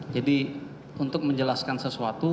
jadi untuk menjelaskan sesuatu